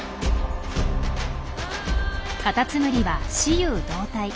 カタツムリは雌雄同体。